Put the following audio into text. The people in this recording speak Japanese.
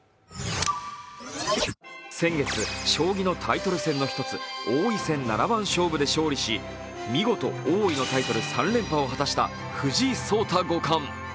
先月、将棋のタイトル戦の一つ、王位戦七番勝負で勝利し、見事、王位のタイトル３連覇を果たした藤井聡太五冠。